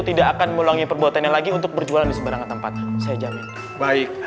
tidak akan meluangin perbuatan yang lagi untuk berjualan di sebarang tempat saya jamin baik